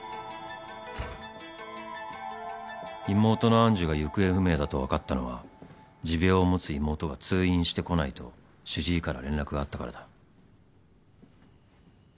［妹の愛珠が行方不明だと分かったのは持病を持つ妹が通院してこないと主治医から連絡があったからだ］